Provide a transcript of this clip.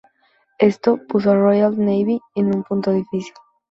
Esto, puso a la Royal Navy en un punto difícil.